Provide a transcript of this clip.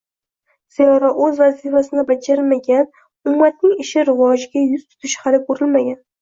Zero o‘z vazifasini bajarmagan ummatning ishi rivojga yuz tutishi hali ko‘rilmagan.